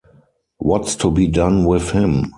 What's to be done with him?